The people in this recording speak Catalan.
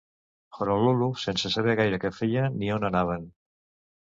Honolulu, sense saber gaire què feia ni on anaven.